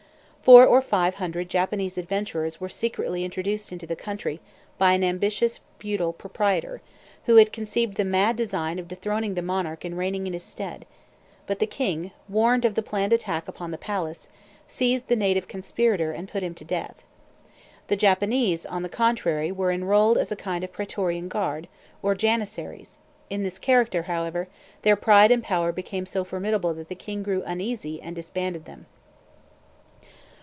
Four or five hundred Japanese adventurers were secretly introduced into the country by an ambitious feudal proprietor, who had conceived the mad design of dethroning the monarch and reigning in his stead; but the king, warned of the planned attack upon the palace, seized the native conspirator and put him to death. The Japanese, on the contrary, were enrolled as a kind of praetorian guard, or janissaries; in this character, however, their pride and power became so formidable that the king grew uneasy and disbanded them.